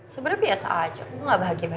sebenarnya biasa aja